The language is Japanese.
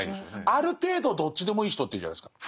ある程度どっちでもいい人っているじゃないですか。